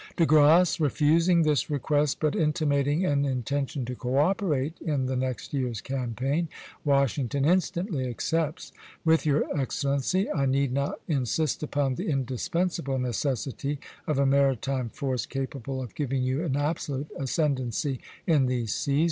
De Grasse refusing this request, but intimating an intention to co operate in the next year's campaign, Washington instantly accepts: "With your Excellency I need not insist upon the indispensable necessity of a maritime force capable of giving you an absolute ascendency in these seas....